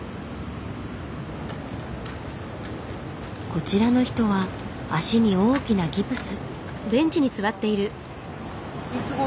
こちらの人は脚に大きなギプス。